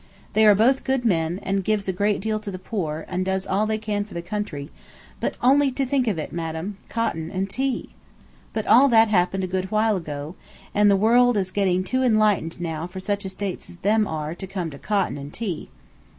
They are both good men, and gives a great deal to the poor, and does all they can for the country; but only think of it, madam, cotton and tea! But all that happened a good while ago, and the world is getting too enlightened now for such estates as them are to come to cotton and tea."